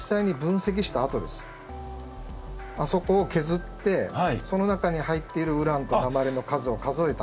それがあそこを削ってその中に入っているウランと鉛の数を数えた跡ですね。